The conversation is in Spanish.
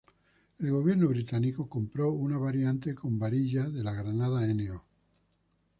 El gobierno británico compró una variante con varilla de la granada No.